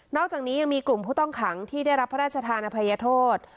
อกจากนี้ยังมีกลุ่มผู้ต้องขังที่ได้รับพระราชทานอภัยโทษ